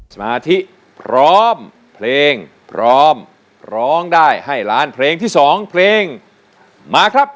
สมาธิพร้อมเพลงพร้อมร้องได้ให้ล้านเพลงที่๒เพลงมาครับ